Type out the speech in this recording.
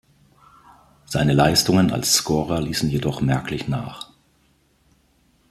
Seine Leistungen als Scorer ließen jedoch merklich nach.